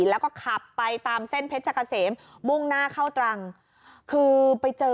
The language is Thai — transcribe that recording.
แล้วก็ขับไปตามเส้นเพชรกะเสมมุ่งหน้าเข้าตรังคือไปเจอ